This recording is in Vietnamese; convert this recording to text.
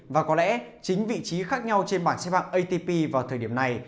và có lẽ chính vị trí khác nhau trên bảng xe bạc atp vào thời điểm này